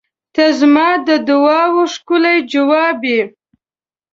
ته زما د دعاوو ښکلی ځواب یې.